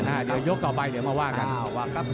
เดี๋ยวยกต่อไปเดี๋ยวมาว่ากัน